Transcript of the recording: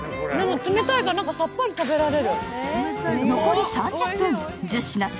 冷たいから、さっぱり食べられる。